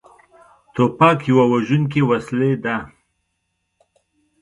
توپک یوه وژونکې وسلې ده.